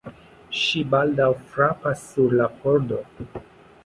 Ŝi baldaŭ frapas sur la pordo.